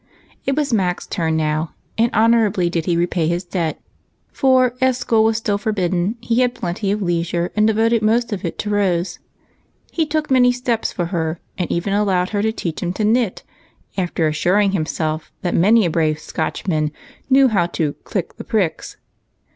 It was Mac's turn now, and honorably did he re pay his debt; for, as school was still forbidden, he had plenty of leisure, and devoted most of it to Rose. He took many steps for her, and even allowed her to teach him to knit, after assuring himself that many a brave Scotchman knew how to "cHck the pricks."